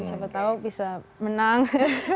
siapa tau bisa menang ya